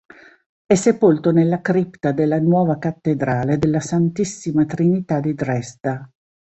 È sepolto nella cripta della nuova Cattedrale della Santissima Trinità di Dresda.